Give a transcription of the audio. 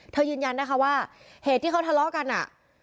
ยืนยันนะคะว่าเหตุที่เขาทะเลาะกันอ่ะ